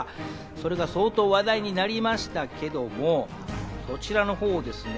それが相当話題になりましたけれども、そちらの方をですね。